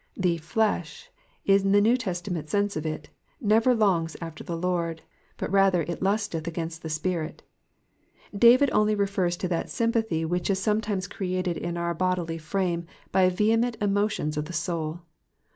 '''•The flesh/"* in the New Testament sense of it, never longs after the Lord, but rather it lusteth against the spirit ; David only refers to that sympathy which is sometimes created in our bodily frame by vehement emotions of the soul.